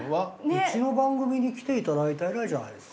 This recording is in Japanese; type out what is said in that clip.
うちの番組に来ていただいた以来じゃないですか？